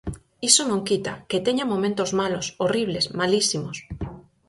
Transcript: Iso non quita que teña momentos malos, horribles, malísimos.